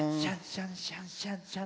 シャンシャンシャンシャン。